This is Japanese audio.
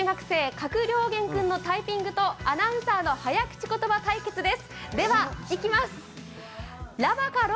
加来燎玄君のタイピングとアナウンサーの早口言葉対決です。